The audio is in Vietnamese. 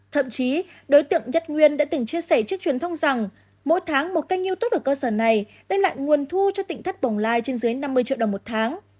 thậm chí đối tượng nhất nguyên đã từng chia sẻ trước truyền thông rằng mỗi tháng một kênh youtube ở cơ sở này đem lại nguồn thu cho tỉnh thất bồng lai trên dưới năm mươi triệu đồng một tháng